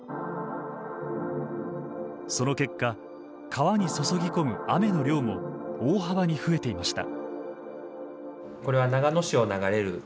その結果川に注ぎ込む雨の量も大幅に増えていました。